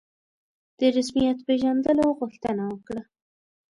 د رسمیت پېژندلو غوښتنه وکړه.